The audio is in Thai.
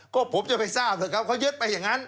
ก็ผมจะไปทราบเถอะครับเขายึดไปอย่างนั้น